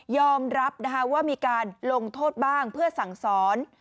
รับว่ามีการลงโทษบ้างเพื่อสั่งสอน